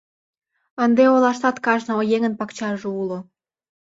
Ынде олаштат кажне еҥын пакчаже уло.